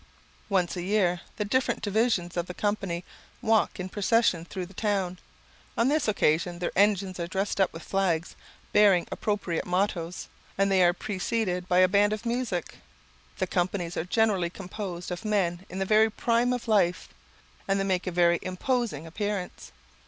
Once a year, the different divisions of the company walk in procession through the town. On this occasion their engines are dressed up with flags bearing appropriate mottoes; and they are preceded by a band of music. The companies are generally composed of men in the very prime of life, and they make a very imposing appearance.